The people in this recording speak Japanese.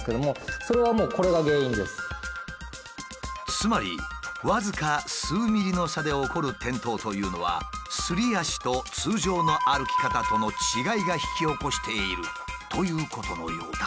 つまり僅か数ミリの差で起こる転倒というのはすり足と通常の歩き方との違いが引き起こしているということのようだ。